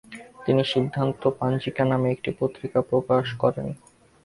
তিনি সিদ্ধান্ত পাঞ্জিকা নামে একটি পত্রিকা প্রকাশ করেন।